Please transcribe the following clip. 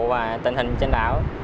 và tình hình trên đảo